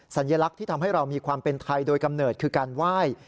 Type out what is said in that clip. สัญลักษณ์ที่ทำให้เรามีความเป็นไทยโดยกำเนิดคือการไหว้